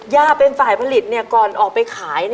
เป็นฝ่ายผลิตก่อนออกไปขาย